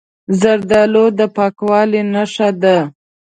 زردالو د پاکوالي نښه ده.